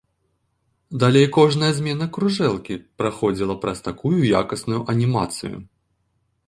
Далей кожная змена кружэлкі праходзіла праз такую якасную анімацыю.